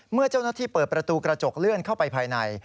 เมื่อเจ้าหน้าที่เปิดประตูกระจกเลื่อนเข้าไปภายใน